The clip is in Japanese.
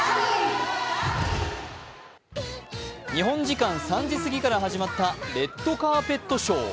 日本時間３時過ぎから始まったレッドカーペットショー。